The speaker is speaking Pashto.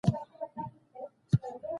دوی ته باید درناوی وشي.